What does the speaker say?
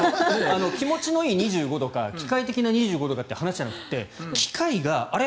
気持ちのいい２５度か機械的な２５度かって話じゃなくて、機械があれ？